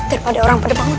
daripada orang pada bangun